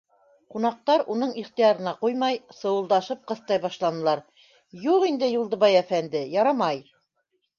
Ҡунаҡтар, уның ихтыярына ҡуймай, сыуылдашып ҡыҫтай башланылар: - Юҡ инде, Юлдыбай әфәнде, ярамай!